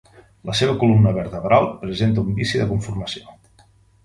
La seva columna vertebral presenta un vici de conformació.